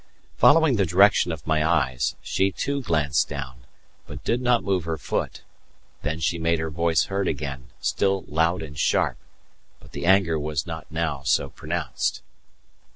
Following the direction of my eyes, she too glanced down, but did not move her foot; then she made her voice heard again, still loud and sharp, but the anger was not now so pronounced.